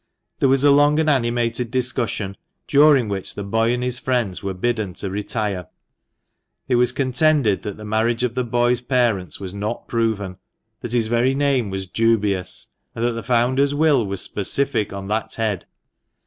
There was a long and animated discussion, during which the boy and his friends were bidden to retire. It was contended that the marriage of the boy's parents was not proven — that his very name was dubious, — and that the founder's will was specific on that head.